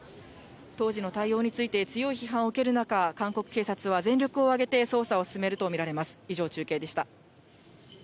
当時の対応について、強い批判を受ける中、韓国警察は全力を挙げて捜査を進めると見られます。